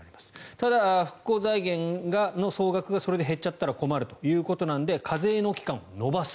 ただ、復興財源の総額がそれで減っちゃったら困るということなので課税の期間を延ばす。